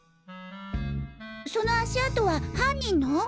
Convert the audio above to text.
その足跡は犯人の？